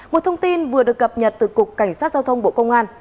một thông tin vừa được cập nhật từ cục cảnh sát giao thông bộ công an